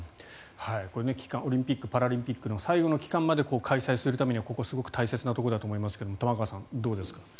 オリンピック・パラリンピックの最後の期間まで開催するためにはここはすごく大切なところだと思いますが玉川さん、どうですか？